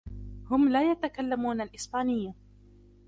هم لا يتكلمون الإسبانية.